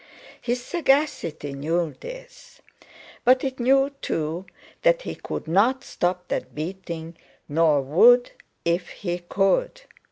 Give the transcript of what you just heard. His sagacity knew this, but it knew too that he could not stop that beating, nor would if he could.